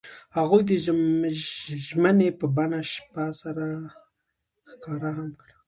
هغوی د ژمنې په بڼه شپه سره ښکاره هم کړه.